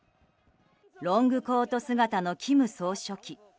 ロングコート姿の金総書記。